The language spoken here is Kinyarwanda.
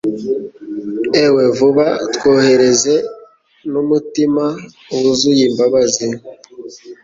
Ewe vuba twohereze n'umutima wuzuye imbabazi